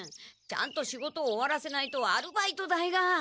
ちゃんと仕事終わらせないとアルバイト代が。